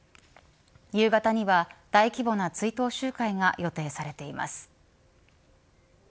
夕方には大規模な追悼集会が予定されています。